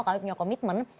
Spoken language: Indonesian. kami punya komitmen